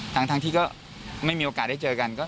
ทั้งที่ก็ไม่มีโอกาสได้เจอกัน